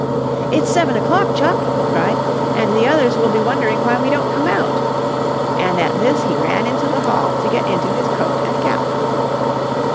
"It's seven o'clock, Chuck," he cried, "and the others will be wondering why we don't come out," and at this he ran into the hall to get into his coat and cap.